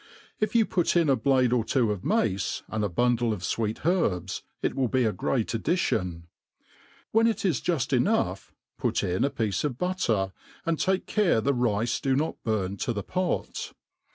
If you put in a blade, or two of mace,' l^Qda buivileof fweet herbs, it will be a great additron. When it is juil enough put in a piece of butcer, and take care the rice do not burn to the pot.